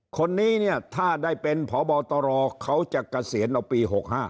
คนนี้เนี่ยถ้าได้เป็นพบตรเขาจะเกษียณเอาปี๖๕